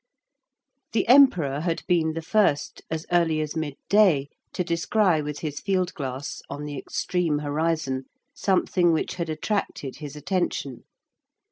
The Emperor had been the first, as early as midday, to descry with his field glass, on the extreme horizon, something which had attracted his attention.